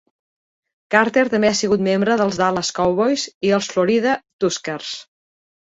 Carter també ha sigut membre dels Dallas Cowboys i els Florida Tuskers.